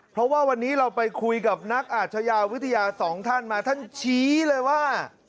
เพราะว่าวันนี้เราไปคุยกับนักอาชญาวิทยาสองท่านมาท่านชี้เลยว่า